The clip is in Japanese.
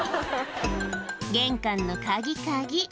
「玄関の鍵鍵」